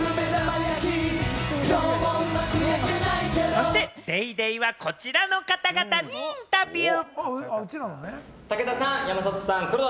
そして『ＤａｙＤａｙ．』はこちらの方々にインタビュー。